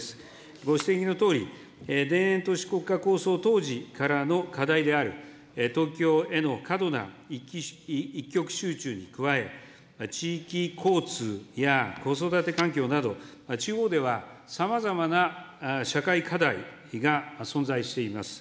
ご指摘のとおり、田園都市国家構想当時からの課題である東京への過度な一極集中に加え、地域交通や子育て環境など、地方ではさまざまな社会課題が存在しています。